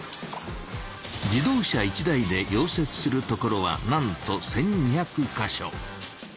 自動車１台で溶接するところはなんと１２００か所。